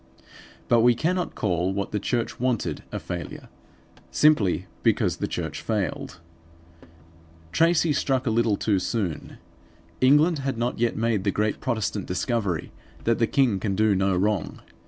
But we cannot call what the church wanted a failure, simply because the church failed. Tracy struck a little too soon. England had not yet made the great Protestant discovery that the king can do no wrong.